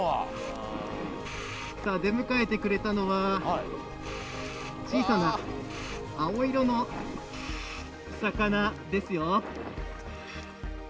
出迎えてくれたのは小さな青色の魚ですよ。